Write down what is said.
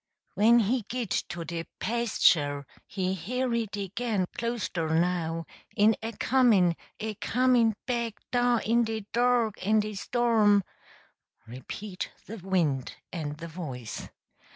When he git to de pasture he hear it agin closter now, en a comin'! a comin' back dah in de dark en de storm (repeat the wind and the voice).